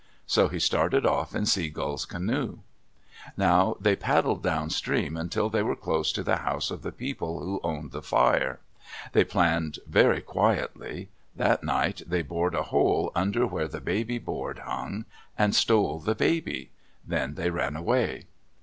So he started off in Sea Gull's canoe. Now they paddled downstream until they were close to the house of the people who owned the fire. They planned very quietly. That night they bored a hole under where the baby board hung and stole the baby. Then they ran away.